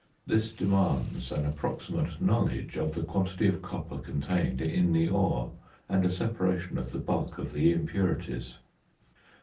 This demands an approximate knowledge of the quantity of copper contained in the ore and a separation of the bulk of the impurities.